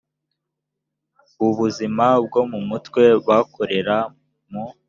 b ubuzima bwo mu mutwe bakorera mu